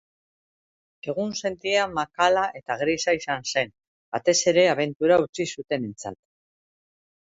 Egunsentia makala eta grisa izan zen, batez ere abentura utzi zutenentzat.